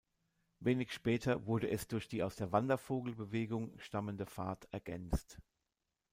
Wenig später wurde es durch die aus der Wandervogelbewegung stammende Fahrt ergänzt.